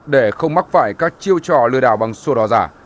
để không mắc phải các chiêu trò lừa đảo bằng sổ đỏ giả